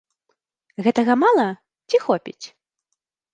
Гэтага мала ці хопіць?